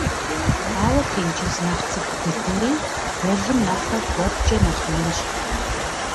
Ауэ тенджыз нэхъ цӀыкӀу дыдэри гуэлым нэхърэ куэдкӀэ нэхъ инщ.